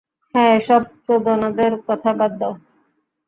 হ্যাঁ, এসব চোদনাদের কথা বাদ দাও।